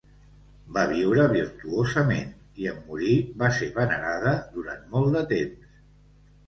Va viure virtuosament i, en morir, va ser venerada durant molt de temps.